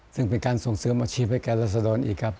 ซึ่งเป็นการส่งเสริมอาชีพให้แก่รัศดรอีกครับ